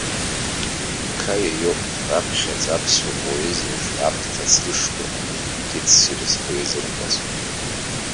Миқаиа иоуп раԥхьаӡа аԥсуа поезиаҿы аԥҭа црышқәа ҳәа аепитет ссир зхы иазырхәаз.